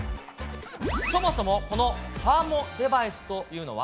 そもそもこのサーモデバイスというのは。